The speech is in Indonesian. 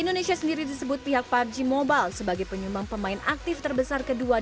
indonesia sendiri disebut pihak pubg mobile sebagai penyumbang pemain aktif terbesar kedua di